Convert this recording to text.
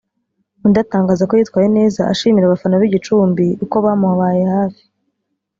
undi atangaza ko yitwaye neza ashimira abafana b’i Gicumbi uko bamubaye hafi